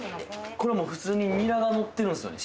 これもう普通にニラが載ってるんですよね？